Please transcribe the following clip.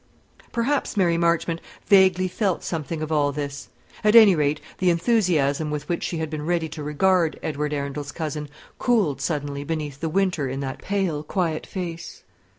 Perhaps Mary Marchmont vaguely felt something of all this. At any rate, the enthusiasm with which she had been ready to regard Edward Arundel's cousin cooled suddenly beneath the winter in that pale, quiet face.